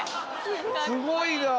すごいなあ。